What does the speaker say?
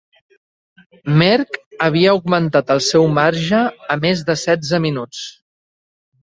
Merckx havia augmentat el seu marge a més de setze minuts.